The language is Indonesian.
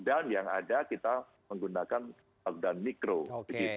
dan yang ada kita menggunakan dan mikro